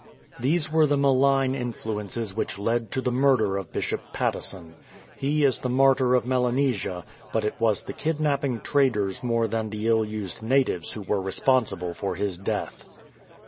These were the malign influences which led to the murder of Bishop Patteson. He is the Martyr of Melanesia, but it was the kidnapping traders more than the ill used natives who were responsible for his death.